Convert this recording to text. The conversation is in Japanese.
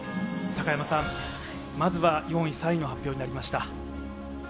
高山さん、まずは４位、３位の発表になりました。